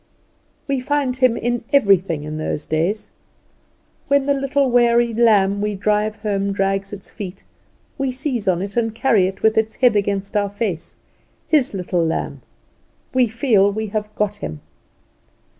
We find Him in everything in those days. When the little weary lamb we drive home drags its feet, we seize on it, and carry it with its head against our face. His little lamb! We feel we have got Him.